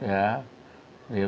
saya sudah tahu